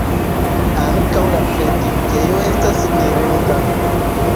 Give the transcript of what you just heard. Ankaŭ la predikejo estas mirinda.